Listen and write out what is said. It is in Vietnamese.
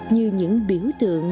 như những biểu tượng